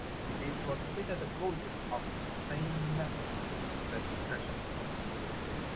To this was fitted a gorget of the same metal, set wdth precious stones.